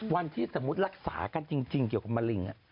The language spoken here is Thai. วันที่สมมุติรักษากันจริงเกี่ยวกับมะเร็ง